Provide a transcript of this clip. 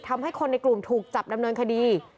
ทำให้คนในกลุ่มถูกจับดำเนินคดี